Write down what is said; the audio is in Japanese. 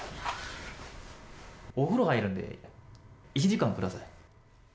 お風呂入るんで、１時間ください。